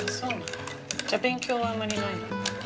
じゃあ勉強はあまりないの？